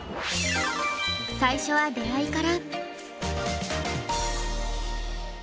最初は出会いから！